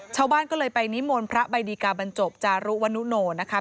ชาวบ้านก็เลยไปนิมนต์พระใบดีกาบรรจบจารุวนุโนนะคะ